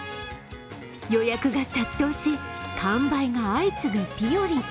予約が殺到し、完売が相次ぐぴよりん。